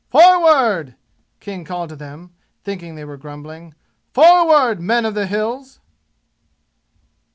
"Forward!" King called to them, thinking they were grumbling. "Forward, men of the 'Hills'!"